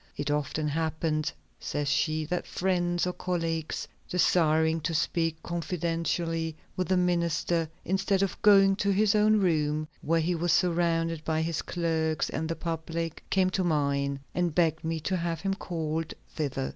"It often happened," says she, "that friends or colleagues desiring to speak confidentially with the minister, instead of going to his own room, where he was surrounded by his clerks and the public, came to mine and begged me to have him called thither.